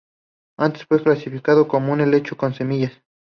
Antes fue clasificado como un helecho con semillas.